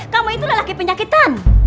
kamu itu lelaki penyakitan